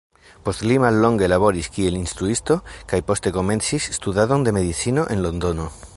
Post li mallonge laboris kiel instruisto, kaj poste komencis studadon de medicino en Londono.